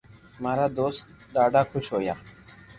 مارا دوست ڌاڌا خوݾ ھويا